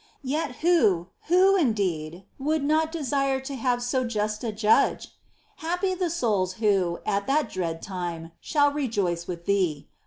Yet who, who indeed, would not desire to have so just a Judge ?* Happy the souls who, at that dread time, shall rejoice with Thee